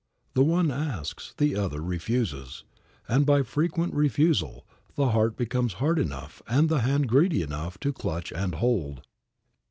The one asks; the other refuses; and, by frequent refusal, the heart becomes hard enough and the hand greedy enough to clutch and hold.